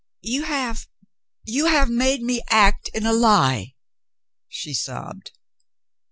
"You have — you have made me act in a lie," she sobbed.